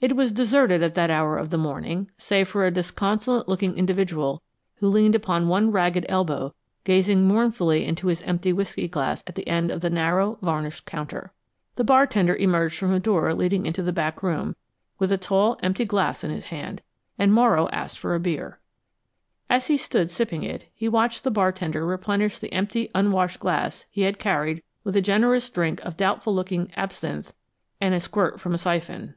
It was deserted at that hour of the morning, save for a disconsolate looking individual who leaned upon one ragged elbow, gazing mournfully into his empty whisky glass at the end of the narrow, varnished counter. The bartender emerged from a door leading into the back room, with a tall, empty glass in his hand, and Morrow asked for a beer. As he stood sipping it, he watched the bartender replenish the empty unwashed glass he had carried with a generous drink of doubtful looking absinthe and a squirt from a syphon.